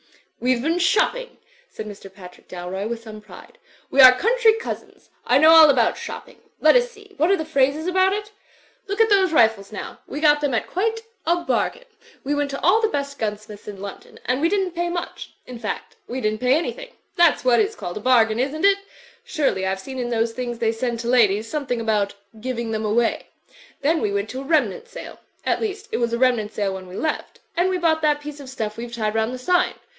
"WeVe been shopping,*' said Mr. Patrick Dalroy, with some pride. "We are country cousins. I know all about shopping; let us see, what are the phrases about it? Look at those rifles now! We got them quite at a bargain. We went to all the best gun Digitized by CjOOQI^ THE MARCH ON IVYWOOD 293 smiths in London, and we didn't pay much. In fact, we didn't pay anything. That's what is called a bar gain, isn't it? Surely, I've seen in those things they send to ladies something about 'giving them away.' Then we went to a remnant sale. At least, it was a remnant sale when we left. And we bought that piece of stuff we've tied round the sign.